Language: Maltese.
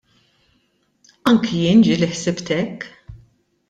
Anki jien ġieli ħsibt hekk.